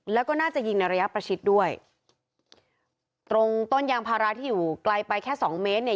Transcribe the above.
แล้วก็น่าจะยิงในระยะประชิดด้วยตรงต้นยางพาราที่อยู่ไกลไปแค่สองเมตรเนี่ย